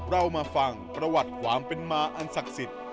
เรามาฟังประวัติผวามเป็นมาร์อันสักศิษย์